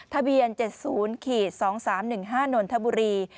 ทะเบียน๗๐๒๓๑๕นนทบุรี